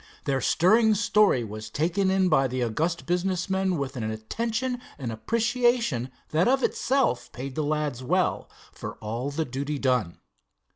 Their stirring story was taken in by the august business men with an attention and appreciation that of itself paid the lads well for all the duty done.